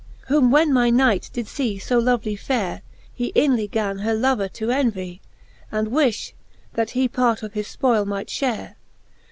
XVII. Whom when my knight did fee fo lovely faire, He inly gan her lover to envy, And wifh, that he part of his fpoyle might fhare.